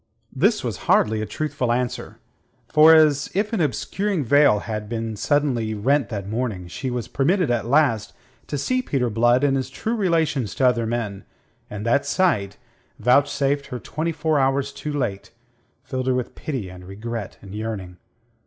This was hardly a truthful answer. For, as if an obscuring veil had suddenly been rent that morning, she was permitted at last to see Peter Blood in his true relations to other men, and that sight, vouchsafed her twenty four hours too late, filled her with pity and regret and yearning.